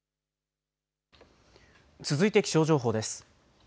続いて気象情報です。